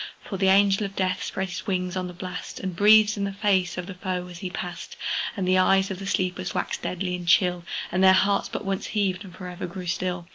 For the Angel of Death spread his wings on the blast, And breathed in the face of the foe as he passed; And the eyes of the sleepers waxed deadly and chill, And their hearts but once heaved, and for ever grew still!